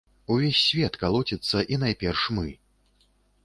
Увесь свет калоціцца, і найперш мы.